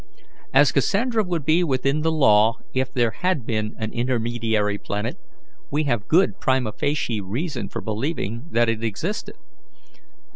As Cassandra would be within the law if there had been an intermediary planet, we have good prima facie reason for believing that it existed.